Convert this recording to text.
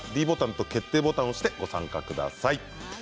ｄボタンと決定ボタンを押してご参加ください。